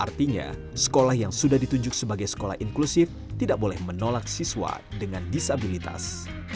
artinya sekolah yang sudah ditunjuk sebagai sekolah inklusif tidak boleh menolak siswa dengan disabilitas